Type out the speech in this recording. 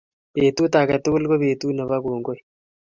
Petut age tugul ko petut nebo kongoi